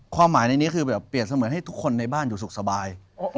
ความหมายในนี้คือแบบเปรียบเสมือนให้ทุกคนในบ้านอยู่สุขสบาย